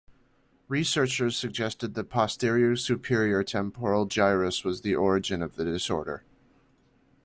Researchers suggested the posterior superior temporal gyrus was the origin of the disorder.